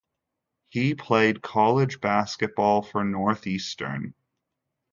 He played college basketball for Northeastern.